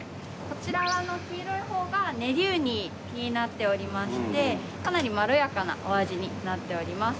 こちらは黄色い方が練り雲丹になっておりましてかなりまろやかなお味になっております。